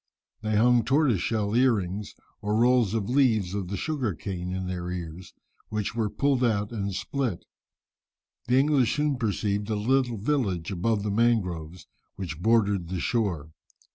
They hung tortoiseshell earrings or rolls of the leaves of the sugar cane in their ears, which were pulled out and split. The English soon perceived a little village above the mangroves which bordered the shore.